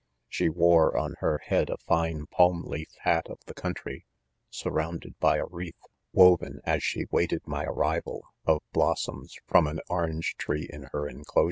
She wore on her head a fine palm leaf hat of the country, surrounded by a wreath, woven, as she, waited my arrival, of blossoms from an orange'' tree in her enclo sure.